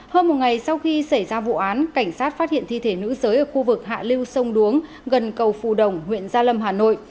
hơn một ngày sau khi xảy ra vụ án cảnh sát phát hiện thi thể nữ giới ở khu vực hạ lưu sông đuống gần cầu phù đồng huyện gia lâm hà nội